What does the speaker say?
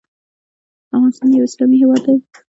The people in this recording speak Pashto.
افغانستان یو اسلامي هیواد دی.